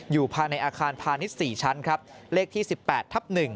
อยู่ภายในอาคารพาณิชย์๔ชั้นครับเลขที่๑๘ทับ๑